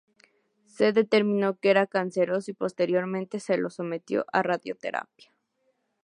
Se determinó que era canceroso y posteriormente se lo sometió a radioterapia.